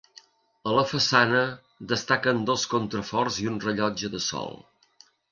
A la façana destaquen dos contraforts i un rellotge de sol.